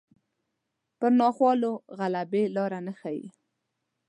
پر ناخوالو غلبې لاره نه ښيي